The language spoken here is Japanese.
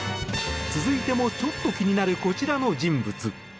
続いてもちょっと気になるこちらの人物。